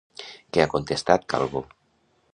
Què ha contestat Calvo?